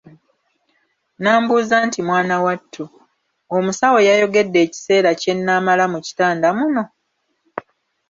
N'ambuuza nti "Mwana wattu, omusawo yayogedde ekiseera kyennaamala mu kitanda muno?